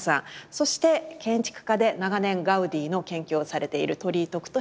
そして建築家で長年ガウディの研究をされている鳥居徳敏さんです。